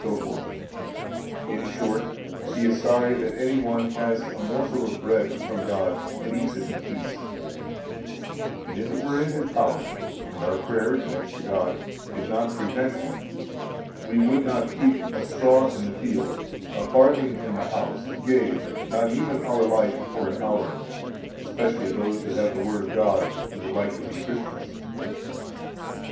81 In short, he is sorry that any one has a morsel of bread from God and eats it in peace; and if it were in his power, and our prayer (next to God) did not prevent him, we would not keep a straw in the field, a farthing in the house, yea, not even our life for an hour, especially those who have the Word of God and would like to be Christians.